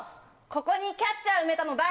ここにキャッチャー埋めたの誰？